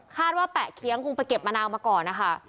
ว่าแปะเคี้ยงคงไปเก็บมะนาวมาก่อนนะคะ